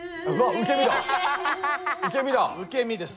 受け身です。